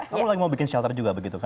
kamu lagi mau bikin shelter juga begitu kan